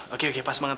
oke pas banget